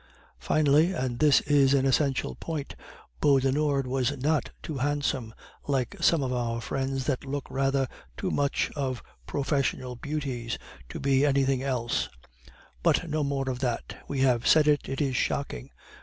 Finally, and this is an essential point, Beaudenord was not too handsome, like some of our friends that look rather too much of professional beauties to be anything else; but no more of that; we have said it, it is shocking!